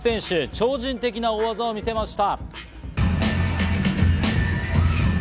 超人的な大技を見せました。